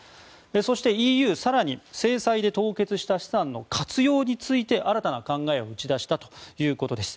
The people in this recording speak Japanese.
そして、ＥＵは更に制裁で凍結した資産の活用について新たな考えを打ち出したということです。